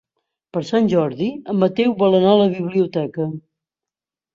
Per Sant Jordi en Mateu vol anar a la biblioteca.